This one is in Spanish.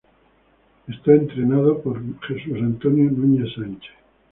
Marathon y está entrenado por Jesús Antonio Núñez Sánchez.